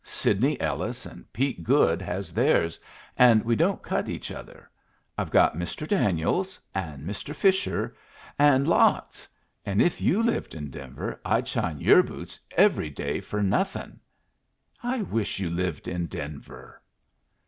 Sidney Ellis an' Pete Goode has theirs, an' we don't cut each other. I've got Mr. Daniels an' Mr. Fisher an' lots, an' if you lived in Denver I'd shine your boots every day for nothing. I wished you lived in Denver."